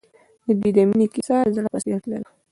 د دوی د مینې کیسه د زړه په څېر تلله.